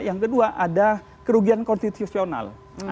yang kedua ada kerugian konstitusional